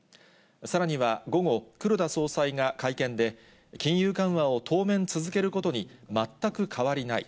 さらには午後、黒田総裁が会見で、金融緩和を当面続けることに全く変わりない。